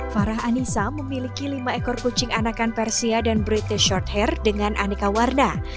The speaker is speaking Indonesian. farah anissa memiliki lima ekor kucing anakan persia dan british shorthere dengan aneka warna